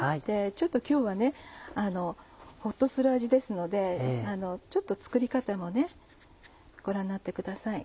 ちょっと今日はほっとする味ですのでちょっと作り方もご覧になってください。